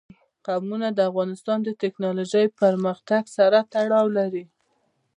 قومونه د افغانستان د تکنالوژۍ پرمختګ سره تړاو لري.